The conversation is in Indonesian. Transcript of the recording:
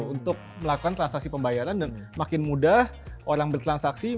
untuk melakukan transaksi pembayaran dan makin mudah orang bertransaksi